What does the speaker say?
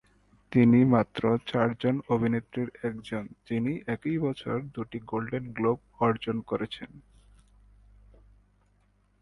তিনি মাত্র চারজন অভিনেত্রীর একজন, যিনি একই বছর দুটি গোল্ডেন গ্লোব অর্জন করেছেন।